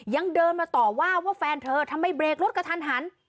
ยังเดินมาต่อว่าว่าแฟนเธอทำไมเบรกรถกระทันหัน